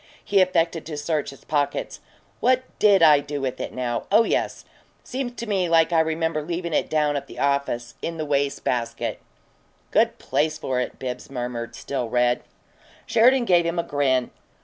He affected to search his pockets. "What DID I do with it, now? Oh yes! Seems to me like I remember leavin' it down at the office in the waste basket." "Good place for it," Bibbs murmured, still red. Sheridan gave him a grin.